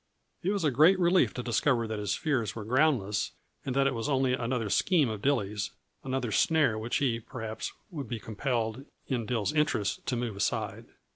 It was a great relief to discover that his fears were groundless and that it was only another scheme of Dilly's; another snare which he, perhaps, would be compelled, in Dill's interest, to move aside.